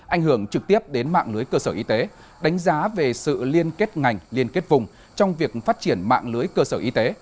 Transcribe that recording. ảnh hưởng trực tiếp đến mạng lưới cơ sở y tế đánh giá về sự liên kết ngành liên kết vùng trong việc phát triển mạng lưới cơ sở y tế